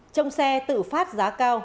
trong xe tự phát giá cao